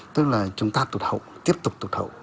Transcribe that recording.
tức là chúng ta tụt hậu tiếp tục tụt hậu